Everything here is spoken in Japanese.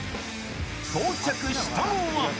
到着したのは。